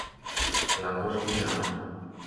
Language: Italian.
La cortigiana